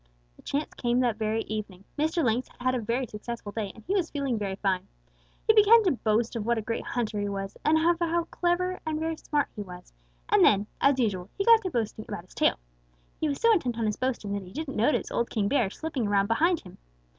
"The chance came that very evening. Mr. Lynx had had a very successful day, and he was feeling very fine. He began to boast of what a great hunter he was, and of how very clever and very smart he was, and then, as usual, he got to boasting about his tail. He was so intent on his boasting that he didn't notice old King Bear slipping around behind him.